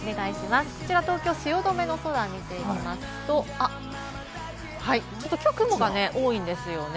こちら東京・汐留の空を見ていきますと、ちょっときょう雲が多いんですよね。